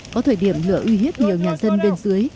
có thời điểm lửa uy hiếp nhiều nhà dân bên dưới